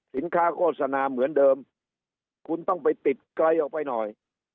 โฆษณาเหมือนเดิมคุณต้องไปติดไกลออกไปหน่อย